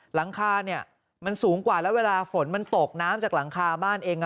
หลังคาเนี่ยมันสูงกว่าแล้วเวลาฝนมันตกน้ำจากหลังคาบ้านเอง